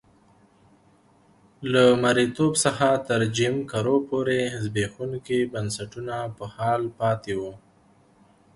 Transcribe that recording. له مریتوب څخه تر جیم کرو پورې زبېښونکي بنسټونه په حال پاتې وو.